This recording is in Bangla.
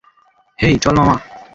হেই, চল মামা!